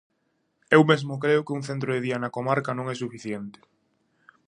Eu mesmo creo que un centro de día na comarca non é suficiente.